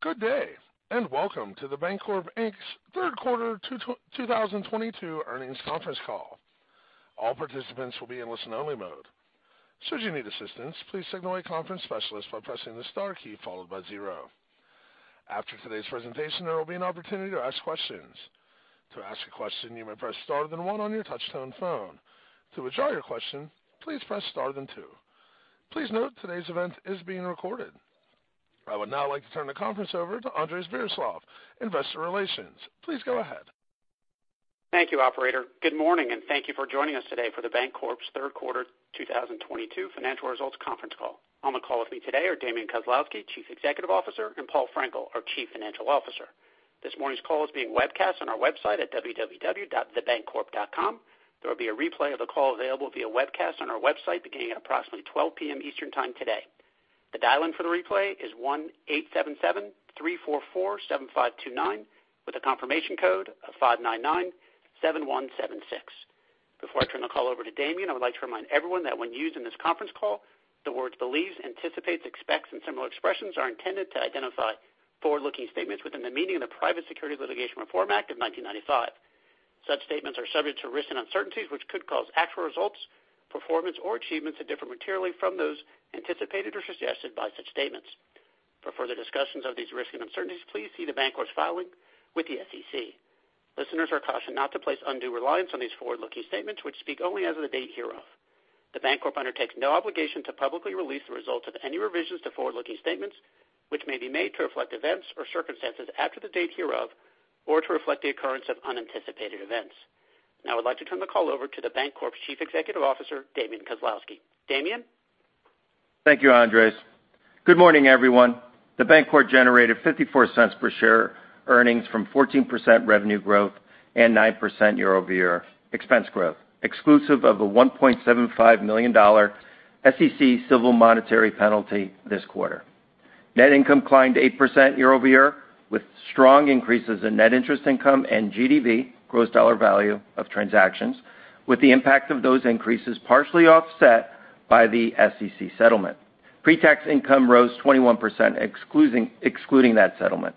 Good day, welcome to The Bancorp, Inc.'s Third Quarter 2022 Earnings Conference Call. All participants will be in listen-only mode. Should you need assistance, please signal a conference specialist by pressing the star key followed by zero. After today's presentation, there will be an opportunity to ask questions. To ask a question, you may press star then one on your touchtone phone. To withdraw your question, please press star then two. Please note today's event is being recorded. I would now like to turn the conference over to Andres Viroslav, Investor Relations. Please go ahead. Thank you, operator. Good morning, and thank you for joining us today for The Bancorp's Third Quarter 2022 Financial Results Conference Call. On the call with me today are Damian Kozlowski, Chief Executive Officer, and Paul Frenkiel, our Chief Financial Officer. This morning's call is being webcast on our website at www.thebancorp.com. There will be a replay of the call available via webcast on our website beginning at approximately 12:00P.M. Eastern Time today. The dial-in for the replay is 1-877-344-7529 with a confirmation code of 5997176. Before I turn the call over to Damian, I would like to remind everyone that when used in this conference call, the words believes, anticipates, expects and similar expressions are intended to identify forward-looking statements within the meaning of the Private Securities Litigation Reform Act of 1995. Such statements are subject to risks and uncertainties, which could cause actual results, performance or achievements to differ materially from those anticipated or suggested by such statements. For further discussions of these risks and uncertainties, please see The Bancorp's filing with the SEC. Listeners are cautioned not to place undue reliance on these forward-looking statements which speak only as of the date hereof. The Bancorp undertakes no obligation to publicly release the results of any revisions to forward-looking statements, which may be made to reflect events or circumstances after the date hereof or to reflect the occurrence of unanticipated events. Now I would like to turn the call over to The Bancorp's Chief Executive Officer, Damian Kozlowski. Damian? Thank you, Andres. Good morning, everyone. The Bancorp generated $0.54 per share earnings from 14% revenue growth and 9% year-over-year expense growth, exclusive of a $1.75 million SEC civil monetary penalty this quarter. Net income climbed 8% year-over-year with strong increases in net interest income and GDV, gross dollar value of transactions, with the impact of those increases partially offset by the SEC settlement. Pre-tax income rose 21% excluding that settlement.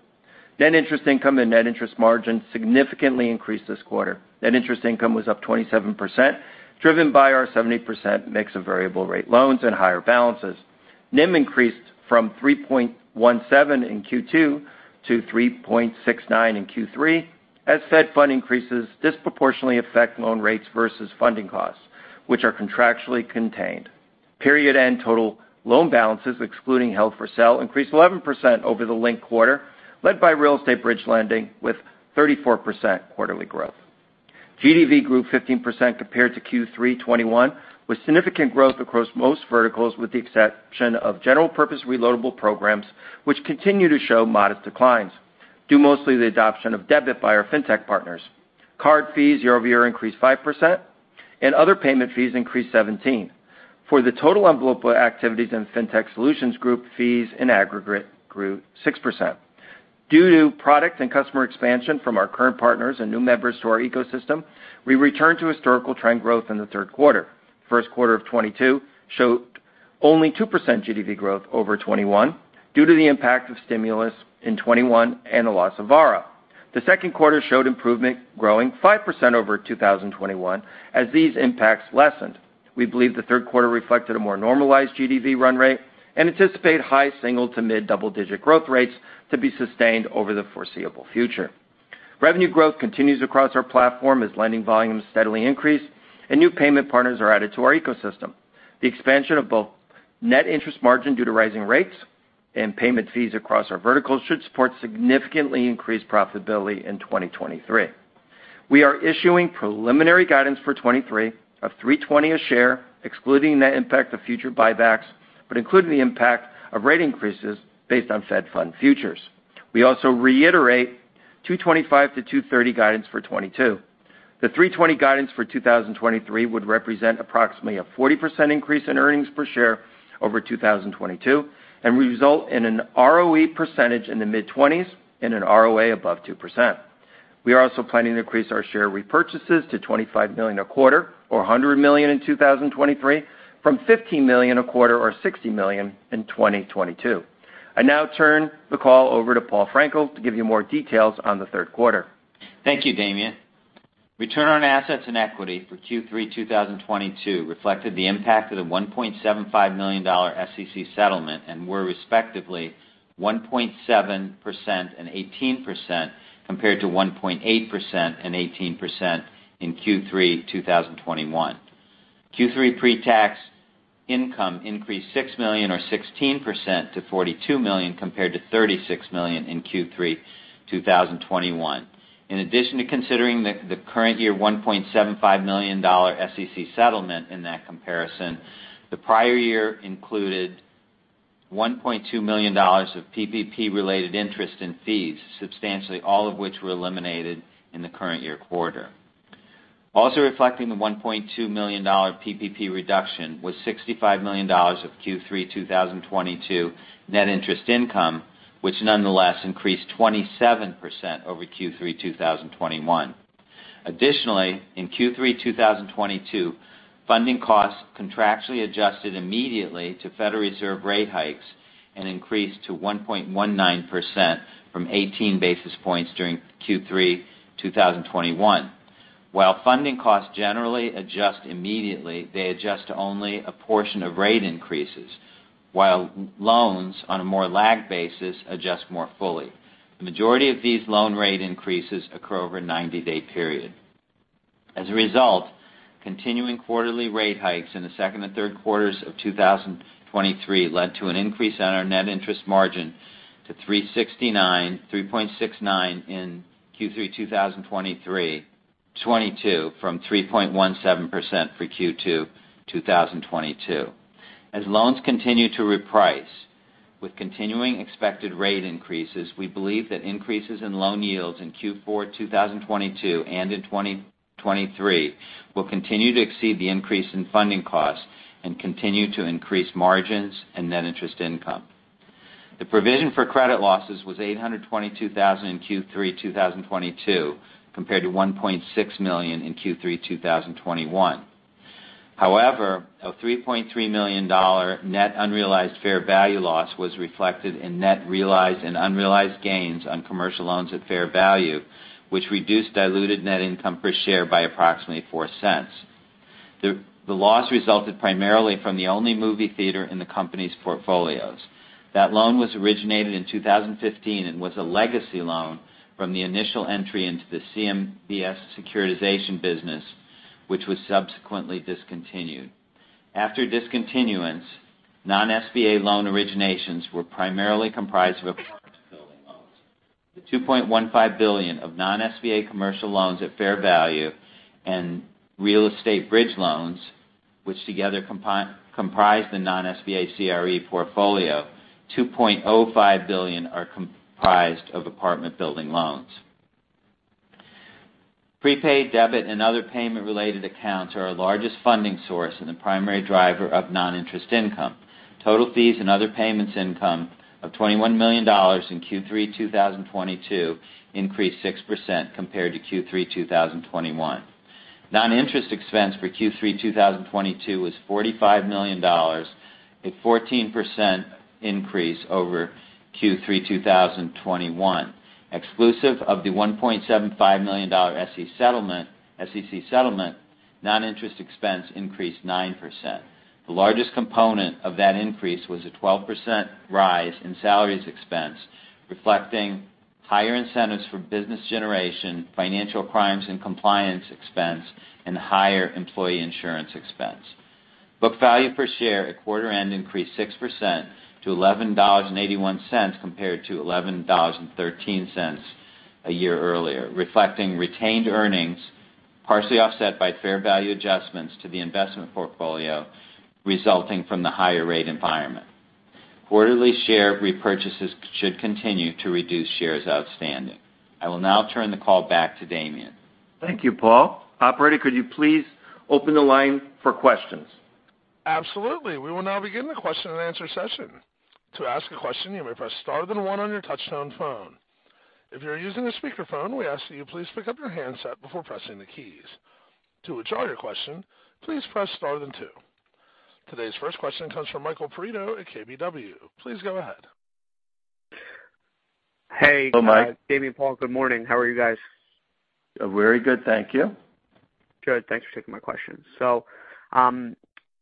Net interest income and net interest margin significantly increased this quarter. Net interest income was up 27%, driven by our 70% mix of variable rate loans and higher balances. NIM increased from 3.17% in Q2 to 3.69% in Q3 as Fed funds increases disproportionately affect loan rates versus funding costs, which are contractually contained. Period-end total loan balances excluding held for sale increased 11% over the linked quarter, led by real estate bridge lending with 34% quarterly growth. GDV grew 15% compared to Q3 2021, with significant growth across most verticals with the exception of general purpose reloadable programs, which continue to show modest declines, due mostly to the adoption of debit by our fintech partners. Card fees year-over-year increased 5% and other payment fees increased 17%. For the total prepaid activities in Fintech Solutions Group, fees in aggregate grew 6%. Due to product and customer expansion from our current partners and new members to our ecosystem, we returned to historical trend growth in the third quarter. First quarter of 2022 showed only 2% GDV growth over 2021 due to the impact of stimulus in 2021 and the loss of Varo. The second quarter showed improvement growing 5% over 2021 as these impacts lessened. We believe the third quarter reflected a more normalized GDV run rate and anticipate high single- to mid double-digit growth rates to be sustained over the foreseeable future. Revenue growth continues across our platform as lending volumes steadily increase and new payment partners are added to our ecosystem. The expansion of both net interest margin due to rising rates and payment fees across our verticals should support significantly increased profitability in 2023. We are issuing preliminary guidance for 2023 of $3.20 a share, excluding the impact of future buybacks, but including the impact of rate increases based on Fed funds futures. We also reiterate $2.25-$2.30 guidance for 2022. The $3.20 guidance for 2023 would represent approximately a 40% increase in earnings per share over 2022 and result in an ROE in the mid-20s% and an ROA above 2%. We are also planning to increase our share repurchases to $25 million a quarter or $100 million in 2023 from $15 million a quarter or $60 million in 2022. I now turn the call over to Paul Frenkiel to give you more details on the third quarter. Thank you, Damian. Return on assets and equity for Q3 2022 reflected the impact of the $1.75 million SEC settlement and were respectively 1.7% and 18% compared to 1.8% and 18% in Q3 2021. Q3 pre-tax income increased $6 million or 16% to $42 million compared to $36 million in Q3 2021. In addition to considering the current year $1.75 million SEC settlement in that comparison, the prior year included $1.2 million of PPP related interest and fees, substantially all of which were eliminated in the current year quarter. Also reflecting the $1.2 million PPP reduction was $65 million of Q3 2022 net interest income, which nonetheless increased 27% over Q3 2021. In Q3 2022, funding costs contractually adjusted immediately to Federal Reserve rate hikes and increased to 1.19% from 18 basis points during Q3 2021. While funding costs generally adjust immediately, they adjust to only a portion of rate increases, while loans on a more lag basis adjust more fully. The majority of these loan rate increases occur over a 90-day period. Continuing quarterly rate hikes in the second and third quarters of 2023 led to an increase in our net interest margin to 3.69 in Q3 2022, from 3.17% for Q2 2022. As loans continue to reprice with continuing expected rate increases, we believe that increases in loan yields in Q4 2022 and in 2023 will continue to exceed the increase in funding costs and continue to increase margins and net interest income. The provision for credit losses was $822,000 in Q3 2022, compared to $1.6 million in Q3 2021. However, a $3.3 million net unrealized fair value loss was reflected in net realized and unrealized gains on commercial loans at fair value, which reduced diluted net income per share by approximately $0.04. The loss resulted primarily from the only movie theater in the company's portfolios. That loan was originated in 2015 and was a legacy loan from the initial entry into the CMBS securitization business, which was subsequently discontinued. After discontinuance, non-SBA loan originations were primarily comprised of bridge loans. The $2.15 billion of non-SBA commercial loans at fair value and real estate bridge loans, which together comprise the non-SBA CRE portfolio, $2.05 billion are comprised of apartment building loans. Prepaid debit and other payment-related accounts are our largest funding source and the primary driver of non-interest income. Total fees and other payments income of $21 million in Q3 2022 increased 6% compared to Q3 2021. Non-interest expense for Q3 2022 was $45 million, a 14% increase over Q3 2021. Exclusive of the $1.75 million SEC settlement, non-interest expense increased 9%. The largest component of that increase was a 12% rise in salaries expense, reflecting higher incentives for business generation, financial crimes, and compliance expense, and higher employee insurance expense. Book value per share at quarter end increased 6% to $11.81 compared to $11.13 a year earlier, reflecting retained earnings, partially offset by fair value adjustments to the investment portfolio resulting from the higher rate environment. Quarterly share repurchases should continue to reduce shares outstanding. I will now turn the call back to Damian. Thank you, Paul. Operator, could you please open the line for questions? Absolutely. We will now begin the question and answer session. To ask a question, you may press star then one on your touchtone phone. If you are using a speakerphone, we ask that you please pick up your handset before pressing the keys. To withdraw your question, please press star then two. Today's first question comes from Michael Perito at KBW. Please go ahead. Hey. Hello, Mike. Damian, Paul, good morning. How are you guys? Very good, thank you. Good. Thanks for taking my questions.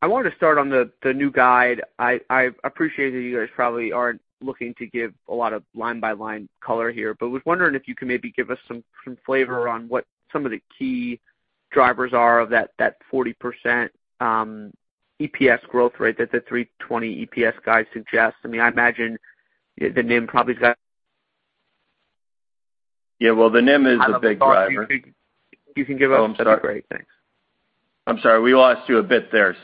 I wanted to start on the new guide. I appreciate that you guys probably aren't looking to give a lot of line-by-line color here, but was wondering if you could maybe give us some flavor on what some of the key drivers are of that 40% EPS growth rate that the $3.20 EPS guide suggests. I mean, I imagine the NIM probably has got- Yeah, well, the NIM is a big driver. You can give us. That'd be great. Thanks. I'm sorry, we lost you a bit there.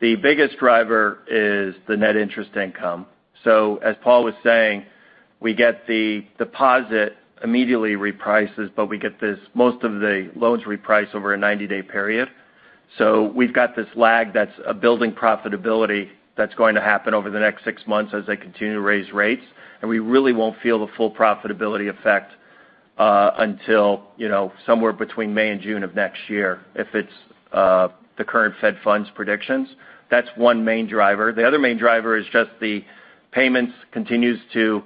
The biggest driver is the net interest income. As Paul was saying, we get the deposit immediately reprices, but we get this most of the loans reprice over a 90-day period. We've got this lag that's building profitability that's going to happen over the next six months as they continue to raise rates. We really won't feel the full profitability effect until, you know, somewhere between May and June of next year if it's the current Fed funds predictions. That's one main driver. The other main driver is just the payments continues to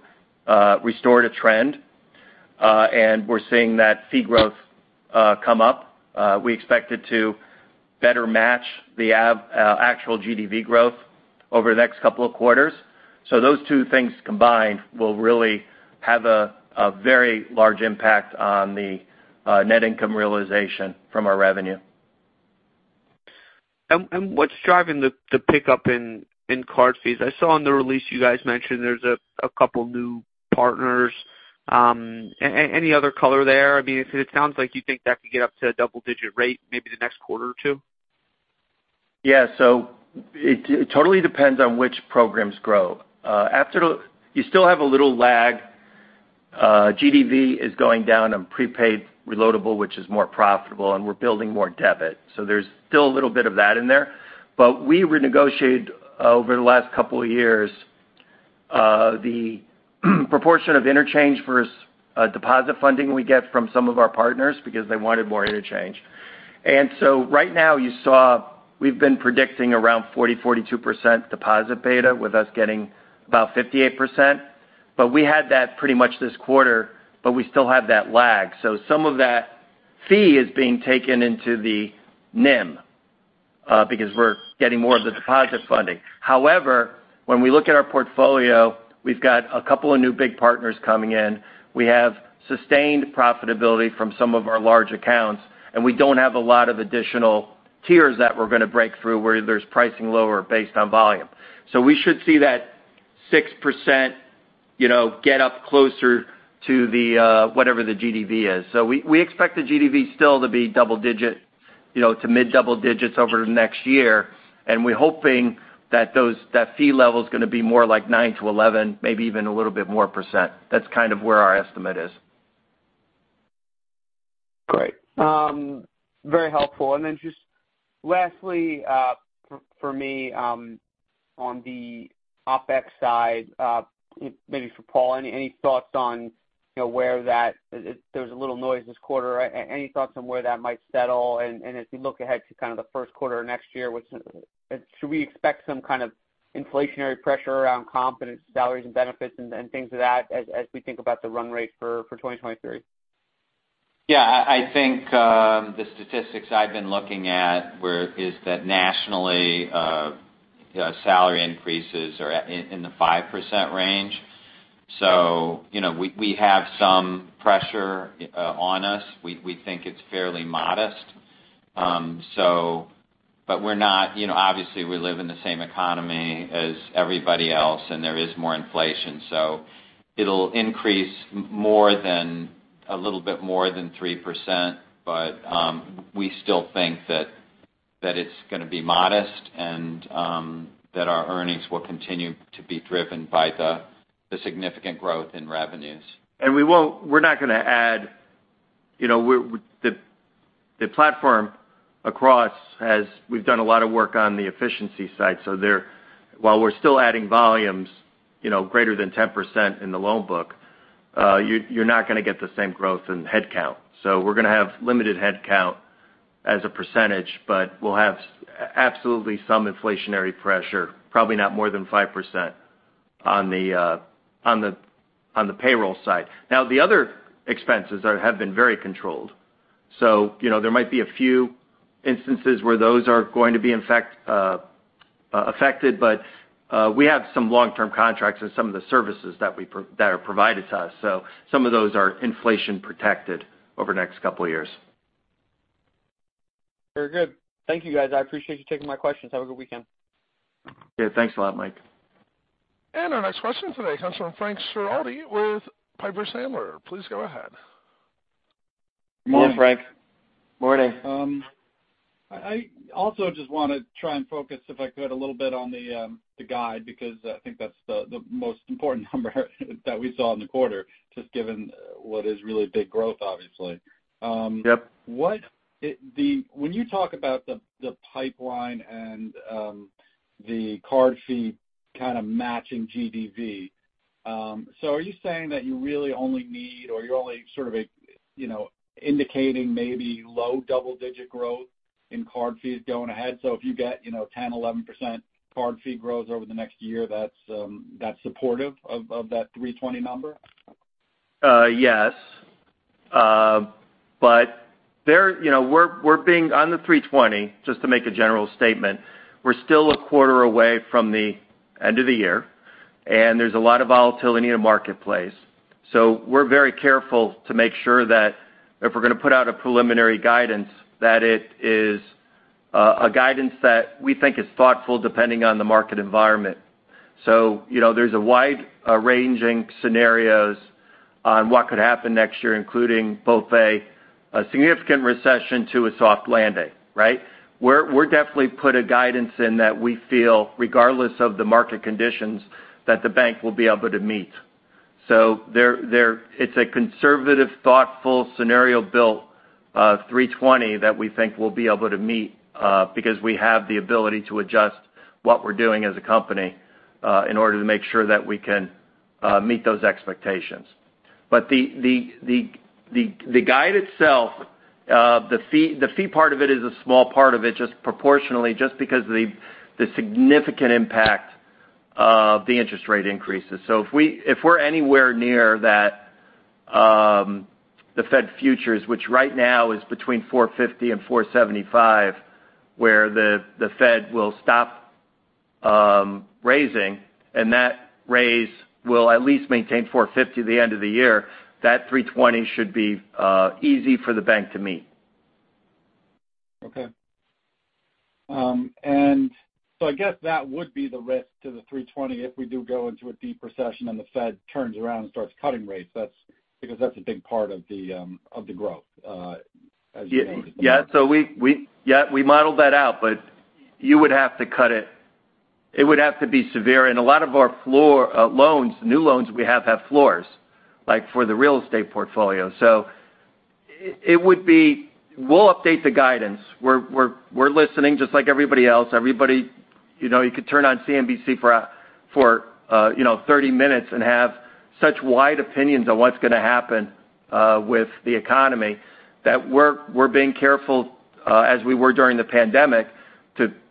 restore to trend and we're seeing that fee growth come up. We expect it to better match the actual GDV growth over the next couple of quarters. Those two things combined will really have a very large impact on the net income realization from our revenue. What's driving the pickup in card fees? I saw in the release you guys mentioned there's a couple new partners. Any other color there? I mean, it sounds like you think that could get up to a double-digit rate maybe the next quarter or two. Yeah. It totally depends on which programs grow. You still have a little lag. GDV is going down on prepaid reloadable, which is more profitable, and we're building more debit. There's still a little bit of that in there. We renegotiated over the last couple of years, the proportion of interchange versus deposit funding we get from some of our partners because they wanted more interchange. Right now you saw we've been predicting around 40%-42% deposit beta with us getting about 58%. We had that pretty much this quarter, but we still have that lag. Some of that fee is being taken into the NIM because we're getting more of the deposit funding. However, when we look at our portfolio, we've got a couple of new big partners coming in. We have sustained profitability from some of our large accounts, and we don't have a lot of additional tiers that we're gonna break through where there's pricing lower based on volume. We should see that 6%, you know, get up closer to the whatever the GDV is. We expect the GDV still to be double-digit, you know, to mid-double-digits over the next year. We're hoping that that fee level is gonna be more like 9%-11%, maybe even a little bit more percent. That's kind of where our estimate is. Great. Very helpful. Just lastly, for me, on the OpEx side, maybe for Paul, any thoughts on, you know, where that might settle? There was a little noise this quarter. As we look ahead to kind of the first quarter of next year. Should we expect some kind of inflationary pressure around comp and salaries and benefits and things of that as we think about the run rate for 2023? Yeah, I think the statistics I've been looking at is that nationally, you know, salary increases are at in the 5% range. You know, we have some pressure on us. We think it's fairly modest. But we're not. You know, obviously we live in the same economy as everybody else, and there is more inflation. It'll increase more than a little bit more than 3%. We still think that it's gonna be modest and that our earnings will continue to be driven by the significant growth in revenues. We're not gonna add. You know, we've done a lot of work on the efficiency side. There, while we're still adding volumes, you know, greater than 10% in the loan book, you're not gonna get the same growth in headcount. We're gonna have limited headcount as a percentage, but we'll have absolutely some inflationary pressure, probably not more than 5% on the payroll side. Now, the other expenses have been very controlled. You know, there might be a few instances where those are going to be in fact affected. We have some long-term contracts in some of the services that are provided to us. Some of those are inflation protected over the next couple of years. Very good. Thank you, guys. I appreciate you taking my questions. Have a good weekend. Yeah. Thanks a lot, Mike. Our next question today comes from Frank Schiraldi with Piper Sandler. Please go ahead. Morning, Frank. Morning. I also just want to try and focus, if I could, a little bit on the guide, because I think that's the most important number that we saw in the quarter, just given what is really big growth, obviously. Yep. When you talk about the pipeline and the card fee kind of matching GDV, so are you saying that you really only need or you're only sort of, you know, indicating maybe low double-digit growth in card fees going ahead? If you get, you know, 10%-11% card fee growth over the next year, that's supportive of that 320 number? Yes. There, you know, we're being. On the 320, just to make a general statement, we're still a quarter away from the end of the year, and there's a lot of volatility in the marketplace. We're very careful to make sure that if we're gonna put out a preliminary guidance, that it is a guidance that we think is thoughtful depending on the market environment. You know, there's a wide ranging scenarios on what could happen next year, including both a significant recession to a soft landing, right? We're definitely put a guidance in that we feel regardless of the market conditions that the bank will be able to meet. It's a conservative, thoughtful scenario built 3.20% that we think we'll be able to meet because we have the ability to adjust what we're doing as a company in order to make sure that we can meet those expectations. The guide itself, the fee part of it is a small part of it, just proportionally, just because the significant impact of the interest rate increases. If we're anywhere near that, the Fed futures, which right now is between 4.50% and 4.75%, where the Fed will stop raising, and that rate will at least maintain 4.50% at the end of the year, that 3.20% should be easy for the bank to meet. I guess that would be the risk to the $320 if we do go into a deep recession and the Fed turns around and starts cutting rates. That's because that's a big part of the growth as you noted. Yeah, we modeled that out, but you would have to cut it. It would have to be severe. A lot of our floor loans, new loans we have floors, like for the real estate portfolio. We'll update the guidance. We're listening just like everybody else. Everybody, you know, you could turn on CNBC for 30 minutes and have such wide opinions on what's gonna happen with the economy that we're being careful, as we were during the pandemic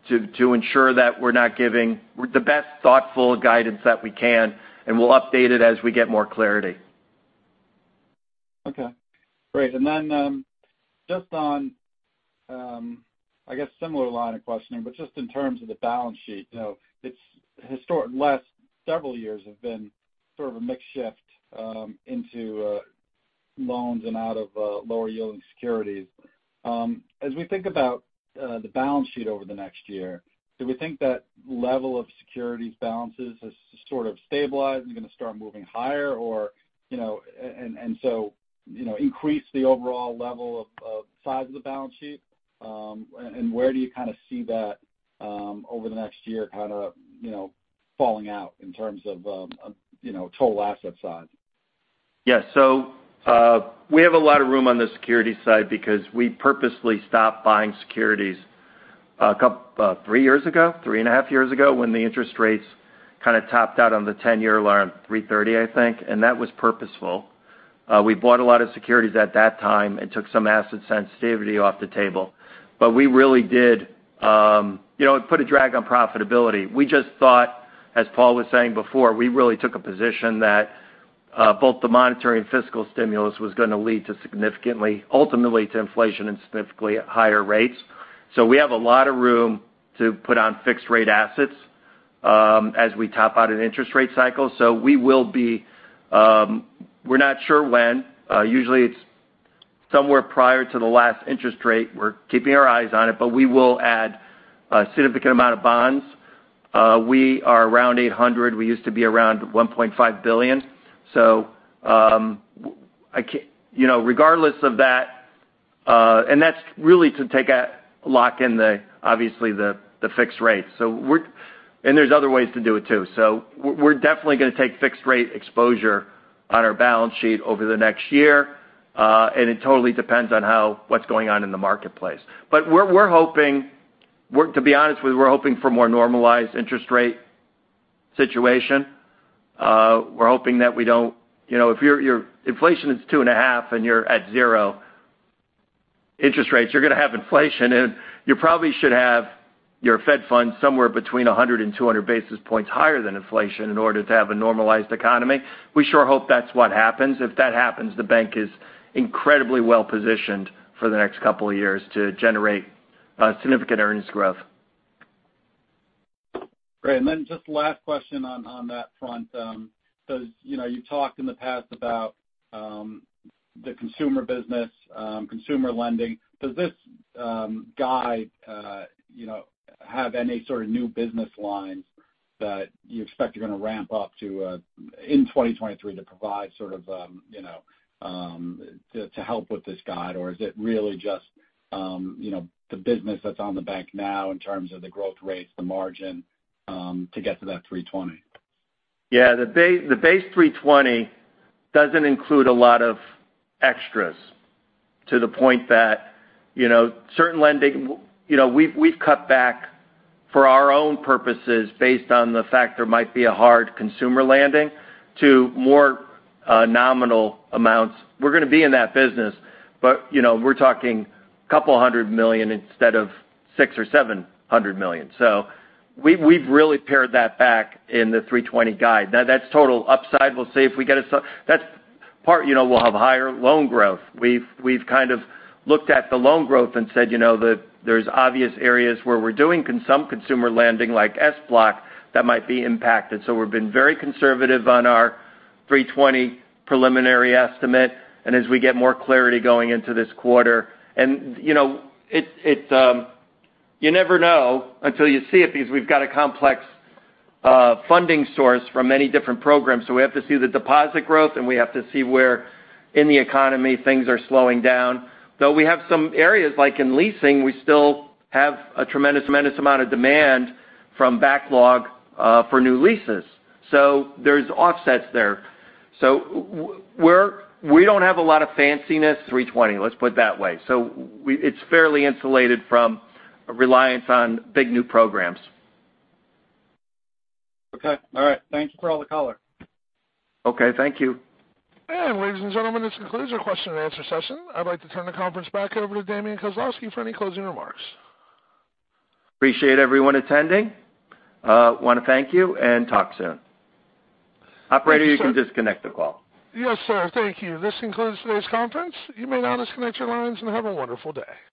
to ensure that we're not giving the best thoughtful guidance that we can, and we'll update it as we get more clarity. Okay. Great. Just on, I guess a similar line of questioning, but just in terms of the balance sheet. You know, it's historically, the last several years have been sort of a mix shift into loans and out of lower yielding securities. As we think about the balance sheet over the next year, do we think that level of securities balances has sort of stabilized and gonna start moving higher or, you know, increase the overall level of size of the balance sheet, and where do you kind of see that over the next year kind of, you know, falling out in terms of, you know, total asset size? Yeah. We have a lot of room on the securities side because we purposely stopped buying securities three years ago, three and a half years ago, when the interest rates kind of topped out on the 10-year loan, 3.30, I think, and that was purposeful. We bought a lot of securities at that time and took some asset sensitivity off the table. We really did, you know, it put a drag on profitability. We just thought, as Paul was saying before, we really took a position that both the monetary and fiscal stimulus was gonna lead to significantly, ultimately to inflation and significantly higher rates. We have a lot of room to put on fixed rate assets, as we top out an interest rate cycle. We're not sure when, usually it's somewhere prior to the last interest rate. We're keeping our eyes on it, but we will add a significant amount of bonds. We are around $800 million. We used to be around $1.5 billion. You know, regardless of that, and that's really to lock in the fixed rate, obviously. There's other ways to do it too. We're definitely gonna take fixed rate exposure on our balance sheet over the next year, and it totally depends on what's going on in the marketplace. We're hoping for more normalized interest rate situation. To be honest with you, we're hoping that we don't. You know, if your inflation is 2.5% and you're at zero interest rates, you're gonna have inflation, and you probably should have your Fed funds somewhere between 100 and 200 basis points higher than inflation in order to have a normalized economy. We sure hope that's what happens. If that happens, the bank is incredibly well-positioned for the next couple of years to generate significant earnings growth. Great. Just last question on that front. You know, you talked in the past about the consumer business, consumer lending. Does this guide, you know, have any sort of new business lines that you expect you're gonna ramp up to in 2023 to provide sort of, you know, to help with this guide? Or is it really just, you know, the business that's on the bank now in terms of the growth rates, the margin to get to that 3.20%? Yeah. The base 3.20 doesn't include a lot of extras to the point that, you know, certain lending. You know, we've cut back for our own purposes based on the fact there might be a hard consumer landing to more nominal amounts. We're gonna be in that business, but, you know, we're talking a couple hundred million instead of 600 million or 700 million. So we've really pared that back in the 3.20 guide. Now that's total upside. We'll see if we get. That's part, you know, we'll have higher loan growth. We've kind of looked at the loan growth and said, you know, there's obvious areas where we're doing consumer lending like SBLOC that might be impacted. We've been very conservative on our 3.20 preliminary estimate, and as we get more clarity going into this quarter, you never know until you see it because we've got a complex funding source from many different programs. We have to see the deposit growth, and we have to see where in the economy things are slowing down. Though we have some areas, like in leasing, we still have a tremendous amount of demand from backlog for new leases. There's offsets there. We don't have a lot of fanciness, 3.20, let's put it that way. It's fairly insulated from reliance on big new programs. Okay. All right. Thank you for all the color. Okay. Thank you. Ladies and gentlemen, this concludes our question and answer session. I'd like to turn the conference back over to Damian Kozlowski for any closing remarks. Appreciate everyone attending. Wanna thank you and talk soon. Thank you, sir. Operator, you can disconnect the call. Yes, sir. Thank you. This concludes today's conference. You may now disconnect your lines and have a wonderful day.